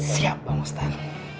siap pak ustaz